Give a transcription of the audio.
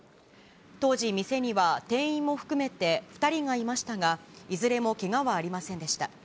当時、店には店員も含めて２人がいましたが、いずれもけがはありませんでした。